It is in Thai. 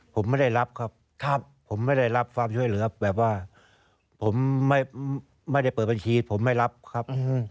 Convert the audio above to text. ผมไม่ได้รับครับผมไม่ได้รับความช่วยเหลือแบบว่าผมไม่ได้เปิดบัญชีผมไม่รับครับ